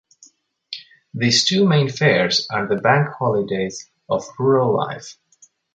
These two main fairs are the Bank Holidays of rural life.